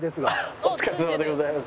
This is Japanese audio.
お疲れさまでございます。